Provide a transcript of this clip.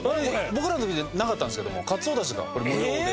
僕らの時にはなかったんですけどもかつおだしがこれ無料で。